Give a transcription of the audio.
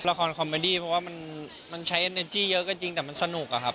คอมเมดี้เพราะว่ามันใช้เนจี้เยอะก็จริงแต่มันสนุกอะครับ